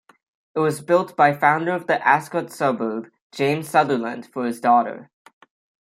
It was built by founder of the Ascot suburb James Sutherland for his daughter.